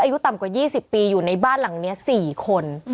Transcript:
อายุต่ำกว่า๒๐ปีอยู่ในบ้านหลังนี้๔คน